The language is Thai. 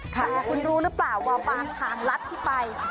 คุณรู้หรือเปล่าว่าทางรัฐที่ไป